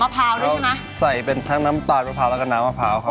เราใส่เป็นทั้งน้ำตาลมะพร้าวและกันน้ำมะพร้าวครับ